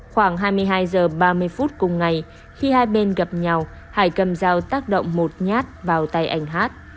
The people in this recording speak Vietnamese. khoảng hai mươi hai h ba mươi phút cùng ngày khi hai bên gặp nhau hải cầm dao tác động một nhát vào tay anh hát